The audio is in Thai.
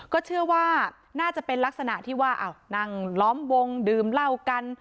ก็เชื่อว่าน่าจะเป็นลักษณะที่ว่านั่งล้อมวงดื่มเหล้ากัน